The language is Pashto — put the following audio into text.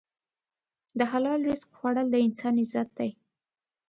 د حلال رزق خوړل د انسان عزت دی.